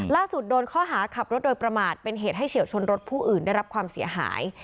โดนข้อหาขับรถโดยประมาทเป็นเหตุให้เฉียวชนรถผู้อื่นได้รับความเสียหาย